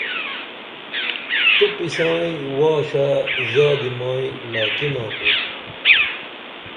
تُپی سائیں واشہ زادی مائیں لاکِنا کُو